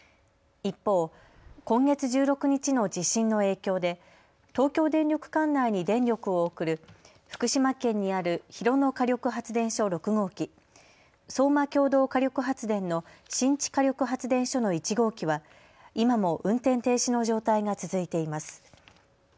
一方、今月１６日の地震の影響で東京電力管内に電力を送る福島県にある広野火力発電所６号機、相馬共同火力発電の新地火力発電所の１号機は今も運転停止の状態が続いています。